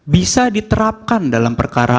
bisa diterapkan dalam perkara